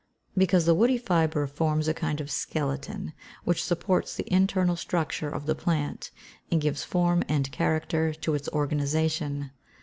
_ Because the woody fibre forms a kind of skeleton, which supports the internal stricture of the plant, and gives form and character to its organisation.